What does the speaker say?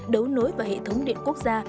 đấu nối vào hệ thống điện quốc gia